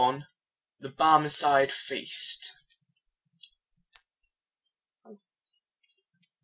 THE BARMECIDE FEAST.